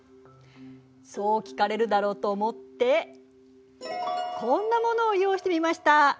そう聞かれるだろうと思ってこんなものを用意してみました。